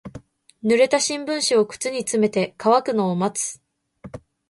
濡れた新聞紙を靴に詰めて乾くのを待つ。